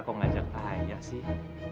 kau ngajak ayah sih